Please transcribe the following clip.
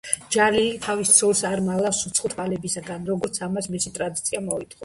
ჯალილი თავის ცოლს არ მალავს უცხო თვალებისგან, როგორც ამას მისი ტრადიცია მოითხოვს.